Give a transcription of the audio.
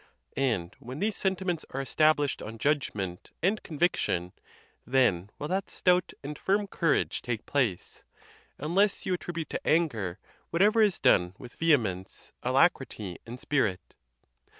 And when these sentiments are established on judgment and convic tion, then will that stout and firm courage take place; unless you attribute to anger whatever is done with ve hemence, alacrity, and spirit.